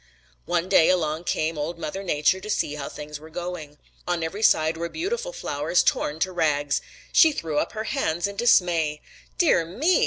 "One day along came Old Mother Nature to see how things were going. On every side were beautiful flowers torn to rags. She threw up her hands in dismay. 'Dear me!'